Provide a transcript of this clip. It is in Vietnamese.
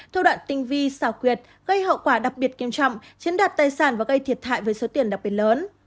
thu đoạn tinh vi xảo quyệt gây hậu quả đặc biệt kiêm trọng chiến đạt tài sản và gây thiệt thại với số tiền đặc biệt lớn